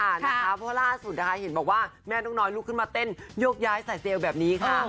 เพราะล่าสุดนะคะเห็นบอกว่าแม่นกน้อยลุกขึ้นมาเต้นโยกย้ายสายเซลล์แบบนี้ค่ะ